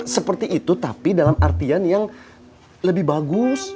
seperti itu tapi dalam artian yang lebih bagus